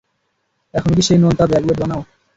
এখনো কি সেই নোনতা ব্যাগুয়েট বানাও?